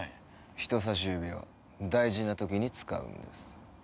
人さし指は大事な時に使うものです。